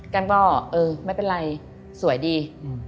มันก็เออไม่เป็นไรสวยดี